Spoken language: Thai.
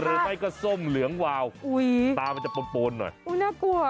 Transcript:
หรือไม่ก็ส้มเหลืองวาวอุ้ยตามันจะปนหน่อยอุ้ยน่ากลัว